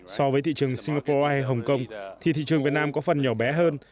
so với thị trường singapore ai hồng kông thì thị trường việt nam có phần nhỏ bé hơn